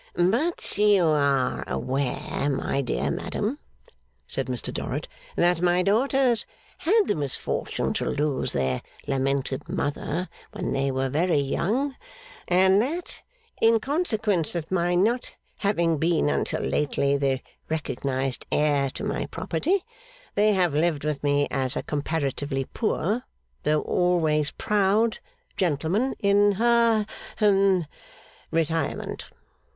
'But you are aware, my dear madam,' said Mr Dorrit, 'that my daughters had the misfortune to lose their lamented mother when they were very young; and that, in consequence of my not having been until lately the recognised heir to my property, they have lived with me as a comparatively poor, though always proud, gentleman, in ha hum retirement!